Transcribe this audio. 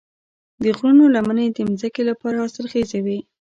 د غرونو لمنې د ځمکې لپاره حاصلخیزې وي.